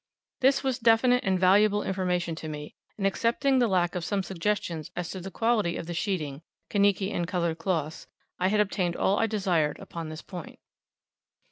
This was definite and valuable information to me, and excepting the lack of some suggestions as to the quality of the sheeting, Kaniki, and coloured cloths, I had obtained all I desired upon this point.